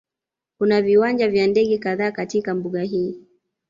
Kuna viwanja vya ndege kadhaa katika mbuga hii